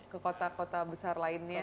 ke kota kota besar lainnya